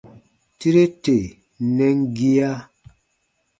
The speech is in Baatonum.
Tire tè nɛn gia.